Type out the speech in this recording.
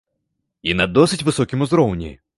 І на досыць высокім узроўні.